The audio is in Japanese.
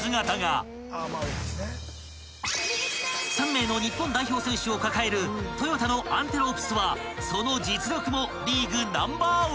［３名の日本代表選手を抱えるトヨタのアンテロープスはその実力もリーグナンバーワン］